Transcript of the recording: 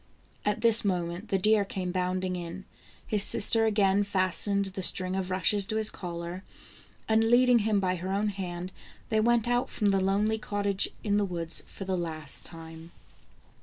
At this moment the deer came bounding in. His sister again fastened the string of rushes to his collar, and leading him by her own hand, they went out from the lonely cottage in the woods for the last time.